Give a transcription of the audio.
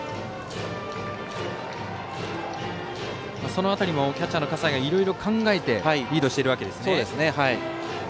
その辺りもキャッチャーの笠井がいろいろ考えてリードしてるんですね。